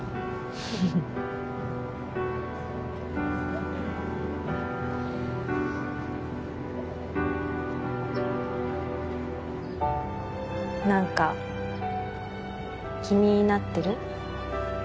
フフフ何か気になってる？